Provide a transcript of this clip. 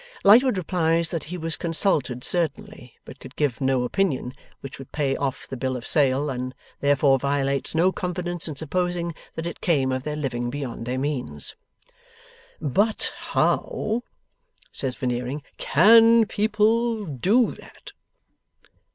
Lightwood replies that he was consulted certainly, but could give no opinion which would pay off the Bill of Sale, and therefore violates no confidence in supposing that it came of their living beyond their means. 'But how,' says Veneering, 'CAN people do that!